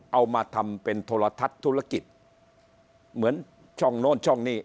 เอามาทำเป็นโทรทัศน์ธุรกิจเหมือนช่องโน้นช่องนี้